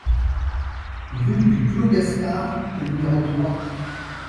Rue du Clos Gaspard au numéro trois